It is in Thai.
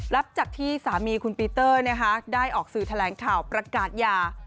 รับจากที่สามีคุณปีเตอร์ได้ออกสื่อแถลงข่าวประกาศยา